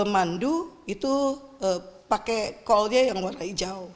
mandu itu pakai callnya yang warna hijau